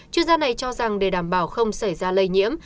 chuyên gia này cho rằng để đảm bảo không xảy ra lây nhiễm